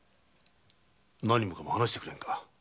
何もかも話してくれんか。